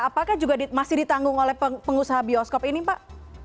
apakah juga masih ditanggung oleh pengusaha bioskop ini pak